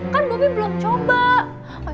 kan bobby belum coba